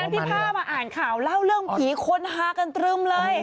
วันนั้นพี่ภาพอ่านข่าวเล่าเรื่องผีคนหากันตลึมเลย